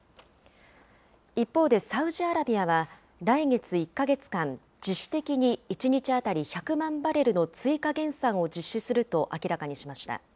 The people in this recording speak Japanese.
一方で、サウジアラビアは来月１か月間、自主的に１日当たり１００万バレルの追加減産を実施すると明らかにしました。